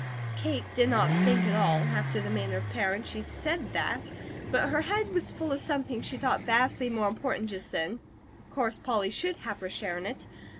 Kate did not think at all. After the manner of parents, she SAID that, but her head was full of something she thought vastly more important just then; of course Polly should have her share in it.